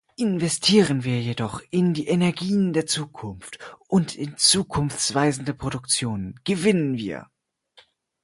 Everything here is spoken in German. Investieren wir jedoch in die Energien der Zukunft und in zukunftsweisende Produktion, gewinnen wir.